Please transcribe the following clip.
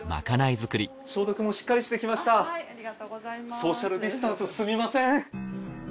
ソーシャルディスタンスすみません。